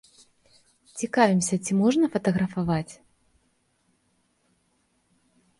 Цікавімся, ці можна фатаграфаваць?